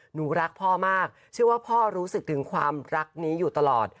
หนูรักพ่อมากเชื่อว่าพ่อรู้สึกถึงความรักนี้อยู่ตลอด